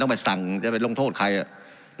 การปรับปรุงทางพื้นฐานสนามบิน